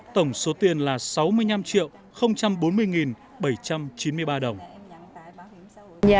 tổng số tiền là sáu mươi năm triệu bốn mươi nghìn bảy trăm chín mươi ba đồng